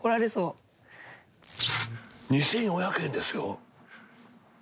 ２，４００円ですよ。